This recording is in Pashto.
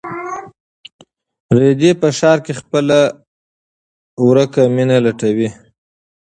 رېدی په ښار کې خپله ورکه مینه لټوي.